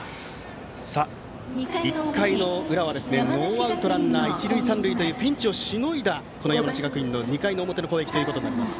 さあ、１回の裏はノーアウトランナー、一塁三塁というピンチをしのいだ山梨学院の２回の表の攻撃です。